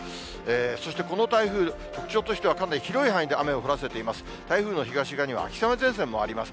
そしてこの台風、特徴としてはかなり広い範囲で雨を降らせています。